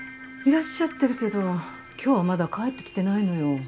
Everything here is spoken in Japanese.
いらっしゃってるけど今日はまだ帰ってきてないのよ。